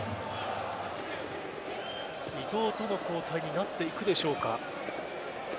伊東との交代になっていくでしょうか。